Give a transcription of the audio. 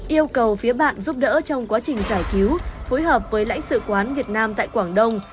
yêu cầu phía bạn giúp đỡ trong quá trình giải cứu phối hợp với lãnh sự quán việt nam tại quảng đông